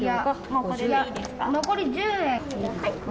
残り１０円。